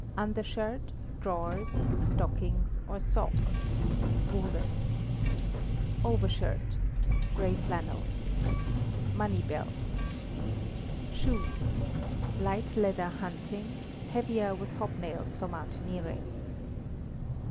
Undershirt, drawers, stockings, or socks (woolen). Overshirt (gray flannel). Money belt. Shoes (light leather hunting; heavier, with hobnails, for mountaineering)